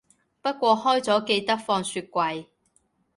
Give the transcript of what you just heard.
不過開咗記得放雪櫃